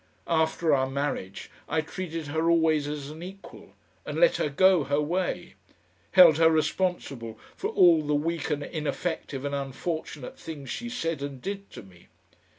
After our marriage I treated her always as an equal, and let her go her way; held her responsible for all the weak and ineffective and unfortunate things she said and did to me.